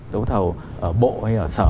đấu thầu ở bộ hay ở sở